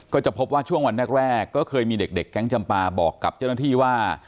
ก็จะพบว่าช่วงวันแรกก็เคยมีเด็กแก๊งจำปาบอกกับเจ้าหน้าที่ว่า